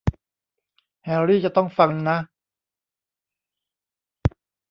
แฮร์รี่จะต้องฟังนะ